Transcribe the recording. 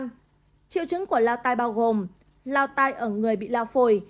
triệu chứng của lao tai bao gồm lao tai ở người bị lao phổi